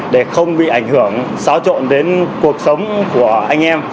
để không bị ảnh hưởng xáo trộn đến cuộc sống của anh em